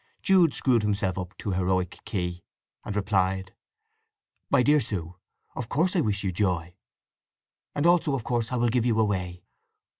Jude screwed himself up to heroic key; and replied: MY DEAR SUE,—Of course I wish you joy! And also of course I will give you away.